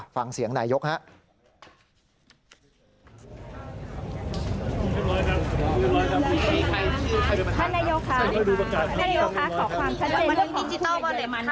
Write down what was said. ฟังเสียงนายกครับ